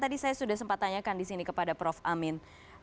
tadi saya sudah sempat tanyakan disini kepada prof amin